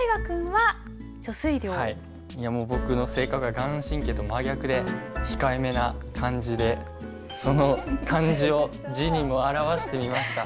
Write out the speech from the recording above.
いやもう僕の性格が顔真と真逆で控えめな感じでその感じを字にも表してみました。